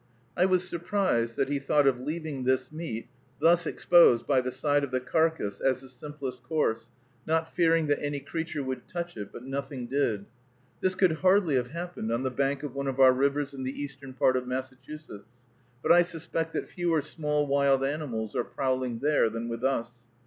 I was surprised that he thought of leaving this meat thus exposed by the side of the carcass, as the simplest course, not fearing that any creature would touch it; but nothing did. This could hardly have happened on the bank of one of our rivers in the eastern part of Massachusetts; but I suspect that fewer small wild animals are prowling there than with us.